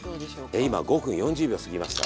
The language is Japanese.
え今５分４０秒過ぎました。